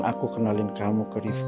aku mau naik suruhan